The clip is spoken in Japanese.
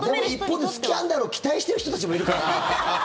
一方でスキャンダルを期待している人たちもいるから。